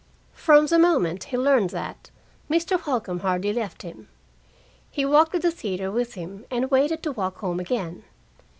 From the moment he learned that, Mr. Holcombe hardly left him. He walked to the theater with him and waited to walk home again.